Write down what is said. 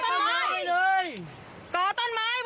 เจ็บคนใช่ไหม